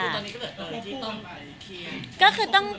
คือตอนนี้ก็เหลือตอนที่ต้อง